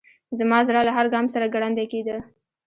زما زړه له هر ګام سره ګړندی کېده.